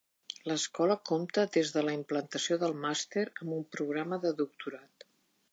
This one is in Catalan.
L'escola compta des de la implantació del màster amb un programa de doctorat.